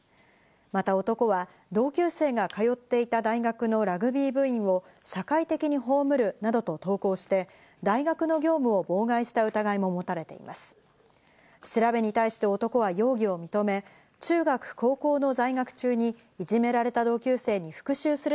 また、男は同級生が通っていた大学のラグビー部員を社会的に葬るなどと投稿して大学の業務を妨害した疑いが持たれています。